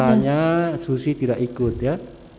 makanya susi tidak ikut ya